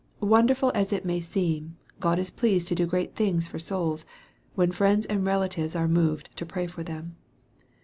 Wonderful as it may seem, God is pleased to do great things for souls, when friends and relations are moved to pray for them.